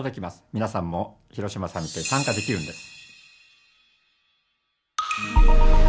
皆さんも広島サミットに参加できるんです。